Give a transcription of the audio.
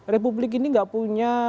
republik ini tidak punya